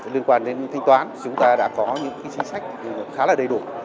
liên quan đến thanh toán chúng ta đã có những chính sách khá là đầy đủ